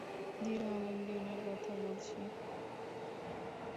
দৃঢ় আলিঙ্গণের কথা বলছি।